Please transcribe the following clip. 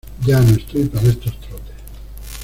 Ya no estoy para estos trotes